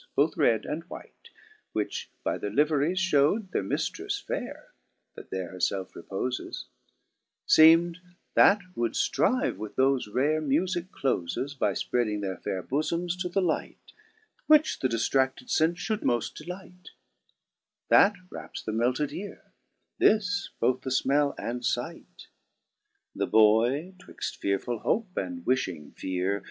Both red and white, which by their liveries fhow'd Their miftris faire, that there her felfe repofes ; Seem*d that would ftrive with thofe rare mufique clozes, By Spreading their faire bofomes to the light, Which the diftrafted fenfe fliould moft delight ; That raps the melted eare ; this both the fmel and fight. 6. The boy *twixt fearefull hope, and wiftiing feare.